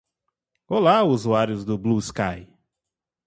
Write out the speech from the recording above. Olá, usuários do BlueSky